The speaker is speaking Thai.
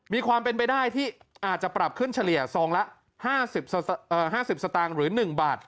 มีความเป็นไปได้ที่อาจจะปรับขึ้นเฉลี่ยซองละ๕๐สตางค์หรือ๑บาท